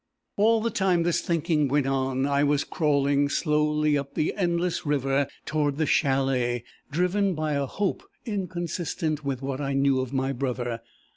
"All the time this thinking went on, I was crawling slowly up the endless river toward the chalet, driven by a hope inconsistent with what I knew of my brother.